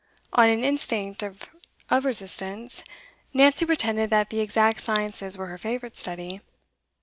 On an instinct of resistance, Nancy pretended that the exact sciences were her favourite study.